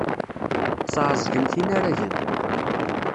Tesɛeẓgemt inaragen.